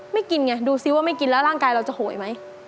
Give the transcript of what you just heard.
กินไงดูซิว่าไม่กินแล้วร่างกายเราจะโหยไหม